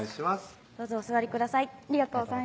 どうぞお座りください